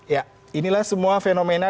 ya inilah semua fenomena